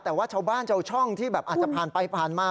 แต่ว่าชาวบ้านชาวช่องที่แบบอาจจะผ่านไปผ่านมา